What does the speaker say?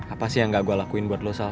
apa sih yang gak gue lakuin buat lo